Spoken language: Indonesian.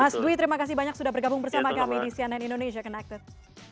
mas dwi terima kasih banyak sudah bergabung bersama kami di cnn indonesia connected